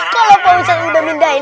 kalau pak ustadz udah mendain